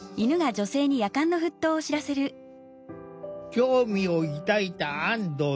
興味を抱いた安藤さん。